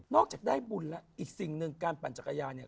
จากได้บุญแล้วอีกสิ่งหนึ่งการปั่นจักรยานเนี่ย